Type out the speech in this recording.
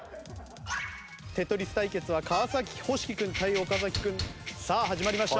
『テトリス』対決は川星輝君対さあ始まりました。